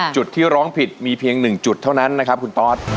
จุดที่ร้องผิดมีเพียง๑จุดเท่านั้นนะครับคุณตอส